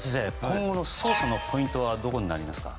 今後の捜査のポイントはどこになりますか。